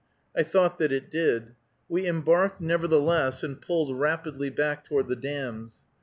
I thought that it did. We embarked, nevertheless, and paddled rapidly back toward the dams.